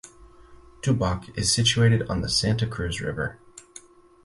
Tubac is situated on the Santa Cruz River.